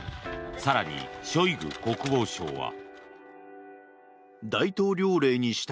更にショイグ国防相は。